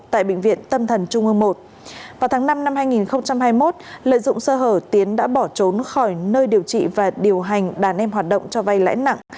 tại bệnh viện tâm thần trung ương i vào tháng năm năm hai nghìn hai mươi một lợi dụng sơ hở tiến đã bỏ trốn khỏi nơi điều trị và điều hành đàn em hoạt động cho vay lãi nặng